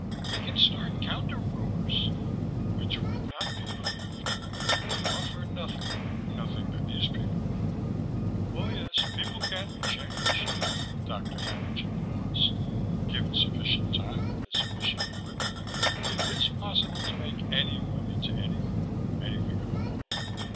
"We can start counter rumors." "Which would not be believed. They offer nothing, nothing that these people want. Oh, yes, people can be changed " Dr. Haenlingen paused. "Given sufficient time and sufficient equipment, it is possible to make anyone into anything, anything at all.